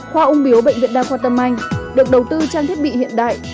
khoa ung biếu bệnh viện đa khoa tâm anh được đầu tư trang thiết bị hiện đại